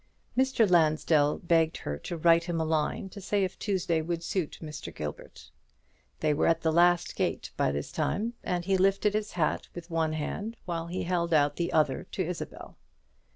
Mr. Lansdell begged her to write him a line to say if Tuesday would suit Mr. Gilbert. They were at the last gate by this time, and he lifted his hat with one hand while he held out the other to Isabel.